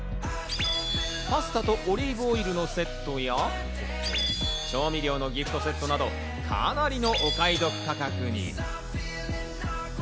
パスタとオリーブオイルのセットや、調味料のギフトセットなどかなりのお買い得価格に。